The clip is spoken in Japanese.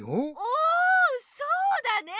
おそうだね！